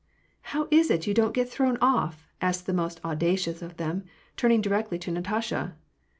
How is it, you do not get thrown off ?" asked the most audacious of them, turning directly to Natasha.